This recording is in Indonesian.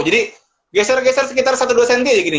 jadi geser geser sekitar satu dua cm aja gini